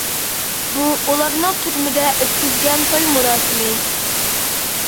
بۇ ئۇلارنىڭ تۈرمىدە ئۆتكۈزگەن توي مۇراسىمى.